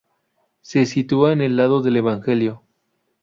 Se sitúa en el lado del evangelio.